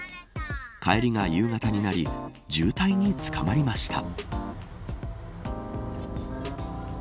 帰りが夕方になり渋滞につかまりました。